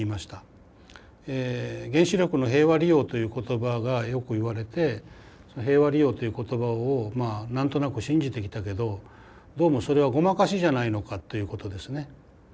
原子力の平和利用という言葉がよく言われてその平和利用という言葉をまあ何となく信じてきたけどどうもそれはごまかしじゃないのかということですね。